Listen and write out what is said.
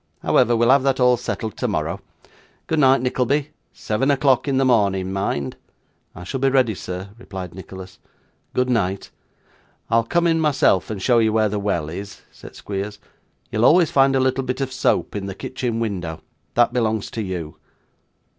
However, we'll have that all settled tomorrow. Good night, Nickleby. Seven o'clock in the morning, mind.' 'I shall be ready, sir,' replied Nicholas. 'Good night.' 'I'll come in myself and show you where the well is,' said Squeers. 'You'll always find a little bit of soap in the kitchen window; that belongs to you.